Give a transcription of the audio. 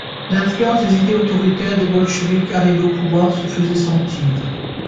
L'influence des idées autoritaires des bolcheviks arrivés au pouvoir se faisait sentir.